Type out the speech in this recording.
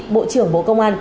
bộ trưởng bộ công an